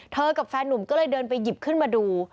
กับแฟนนุ่มก็เลยเดินไปหยิบขึ้นมาดู